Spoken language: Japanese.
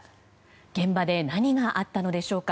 現場で何があったのでしょうか。